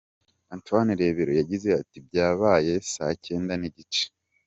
Antoine Rebero yagize ati “Byabaye saa cyenda ni igice.